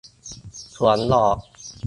สวนดอก